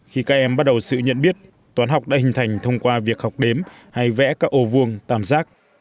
khi các em bắt đầu sự nhận biết toán học đã hình thành thông qua việc học đếm hay vẽ các ô vuông tam giác